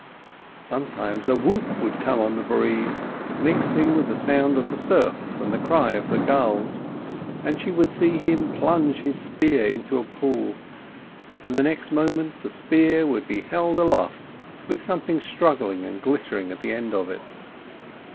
Sometimes a whoop would come on the breeze, mixing with the sound of the surf and the cry of the gulls, and she would see him plunge his spear into a pool, and the next moment the spear would be held aloft with something struggling and glittering at the end of it.